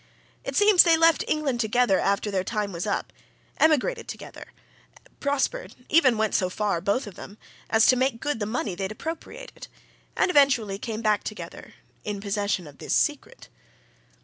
It seems they left England together after their time was up, emigrated together, prospered, even went so far both of 'em! as to make good the money they'd appropriated, and eventually came back together in possession of this secret.